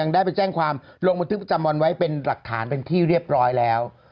ได้ไปแจ้งความลงบันทึกประจำวันไว้เป็นหลักฐานเป็นที่เรียบร้อยแล้ว